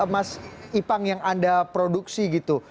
mas ipang yang anda produksi gitu